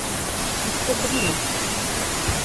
Октябрина!